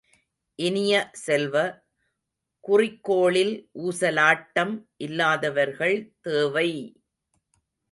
இனிய செல்வ, குறிக்கோளில் ஊசலாட்டம் இல்லாதவர்கள் தேவை!